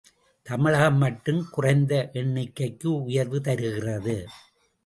தமிழகம் மட்டும் குறைந்த எண்ணிக்கைக்கு உயர்வு தருகிறது.